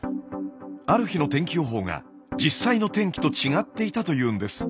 ある日の天気予報が実際の天気と違っていたと言うんです。